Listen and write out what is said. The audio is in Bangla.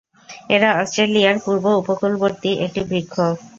এরা অস্ট্রেলিয়ার পূর্ব উপকূলবর্তী একটি বৃক্ষ।